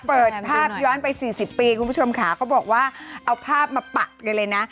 เปิดภาพย้อนไปสี่สิบปีคุณผู้ชมค่ะเขาบอกว่าเอาภาพมาปะกันเลยนะ